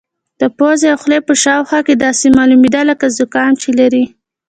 د پوزې او خولې په شاوخوا کې داسې معلومېده لکه زکام چې لري.